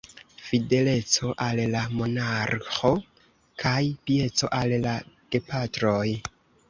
Fideleco al la monarĥo kaj pieco al la gepatroj.